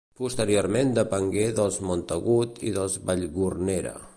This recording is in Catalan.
Posteriorment depengué dels Montagut i dels Vallgornera.